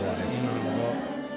なるほど。